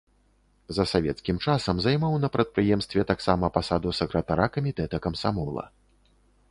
За савецкім часам займаў на прадпрыемстве таксама пасаду сакратара камітэта камсамола.